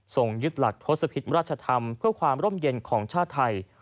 ยึดหลักทศพิษราชธรรมเพื่อความร่มเย็นของชาติไทย